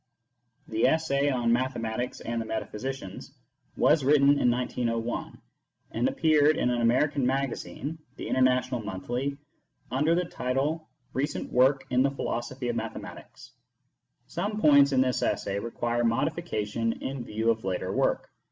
The essay on " Mathematics and the Metaphysicians " was written in 1901, and appeared in an American maga zine, The International Monthly, under the title " Recent Work in the Philosophy of Mathematics." Some points vt MYSTICISM AND LOGIC in this essay require modification in view of later work.